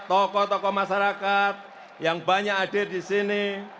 tokoh tokoh masyarakat yang banyak hadir di sini